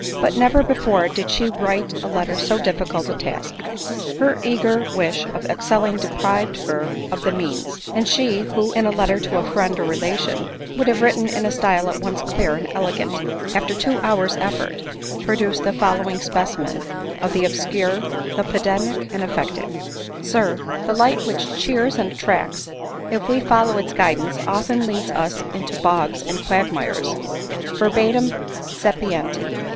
But never before did she find writing a letter so difficult a task. Her eager wish of excelling deprived her of the means ; and she, who, in a letter to a friend or relation, would have written in a style at once clear and elegant, after two hour's effort produced the following specimen of the obscure, the pedantic, and affected ;" SIR, " The light which cheers and attracts, if we follow its guidance, often leads us into bogs and quagmires ;. Verbum sapienti.